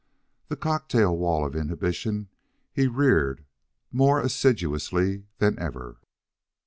The cocktail wall of inhibition he reared more assiduously than ever.